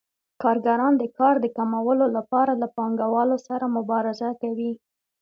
کارګران د کار د کمولو لپاره له پانګوالو سره مبارزه کوي